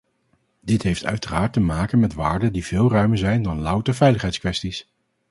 Dit heeft uiteraard te maken met waarden die veel ruimer zijn dan louter veiligheidskwesties.